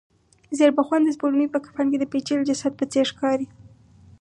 زېړبخونده سپوږمۍ په کفن کې د پېچلي جسد په څېر ښکاریږي.